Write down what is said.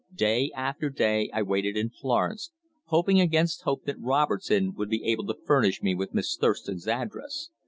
Day after day I waited in Florence, hoping against hope that Robertson would be able to furnish me with Miss Thurston's address.